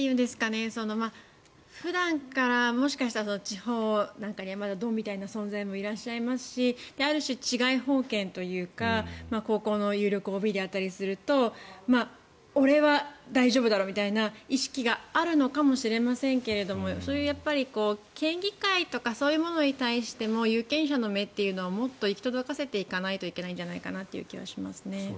普段からもしかしたら地方なんかにはまだドンみたいな存在もいらっしゃいますしある種、治外法権というか高校の有力ＯＢであったりすると俺は大丈夫だろみたいな意識があるのかもしれませんけどそれは県議会とかそういうものに対しても有権者の目というのはもっと行き届かせていかないといけない気がしますね。